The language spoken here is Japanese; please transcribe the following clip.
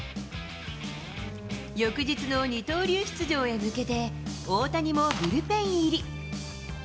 翌日の二刀流出場へ向けて、大谷もブルペン入り。